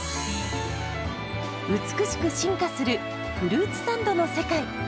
美しく進化するフルーツサンドの世界。